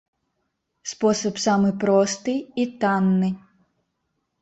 Спосаб самы просты і танны.